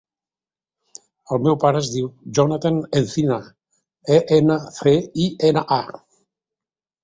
El meu pare es diu Jonathan Encina: e, ena, ce, i, ena, a.